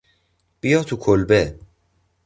بیا تو کلبه